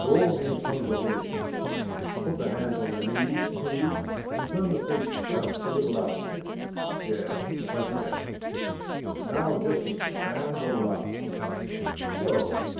Roll them in under the lids. Put the hands on the knees, please, and turn the face just a little upward. Yes, that's better. Now just expand the lungs! So!